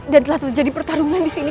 dan telah terjadi pertarungan di sini